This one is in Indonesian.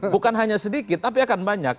bukan hanya sedikit tapi akan banyak